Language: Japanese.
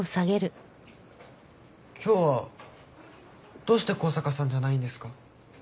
今日はどうして向坂さんじゃないんですか？